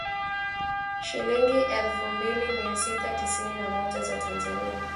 Shilingi elfu mbili mia sita tisini na moja za Tanzania